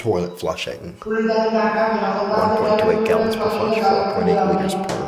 Police জানায়, ঢাকাকে সচল রাখতে ট্রাফিক পুলিশের সদস্যদের কাজের কোনো বিরাম নেই।